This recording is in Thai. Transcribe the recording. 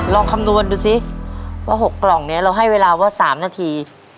คำนวณดูซิว่า๖กล่องนี้เราให้เวลาว่า๓นาที